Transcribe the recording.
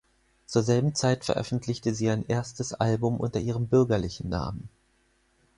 Zur selben Zeit veröffentlichte sie ein erstes Album unter ihrem bürgerlichen Namen.